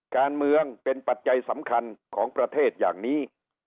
การเมืองเป็นปัจจัยสำคัญของประเทศอย่างนี้